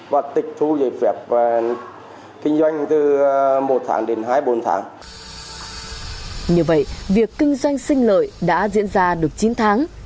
việc kinh doanh sinh lợi đã diễn ra được chín tháng